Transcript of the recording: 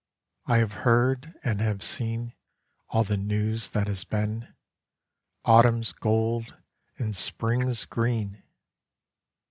I have heard and have seen All the news that has been: Autumn's gold and Spring's green!